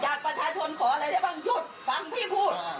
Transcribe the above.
ประชาชนขออะไรได้บางจุดฟังพี่พูด